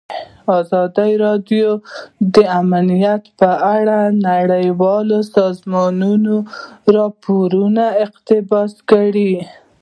ازادي راډیو د امنیت په اړه د نړیوالو سازمانونو راپورونه اقتباس کړي.